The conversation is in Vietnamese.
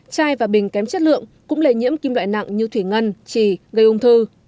chai và bình kém chất lượng cũng lề nhiễm kim loại nặng như thủy ngân trì gây ung thư